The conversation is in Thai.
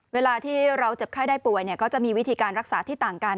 เวลาที่เราเจ็บไข้ได้ป่วยก็จะมีวิธีการรักษาที่ต่างกัน